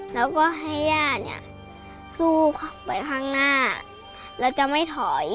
และให้ย่าสู่ไปข้างหน้าและจะไม่ถอย